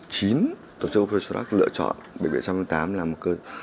chính tổ chức operation walk lựa chọn bệnh viện trung ương quân đội một trăm linh tám